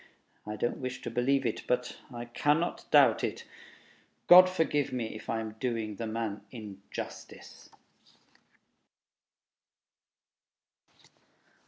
I don't wish to believe it ... but I cannot doubt it. God forgive me if I am doing the man injustice!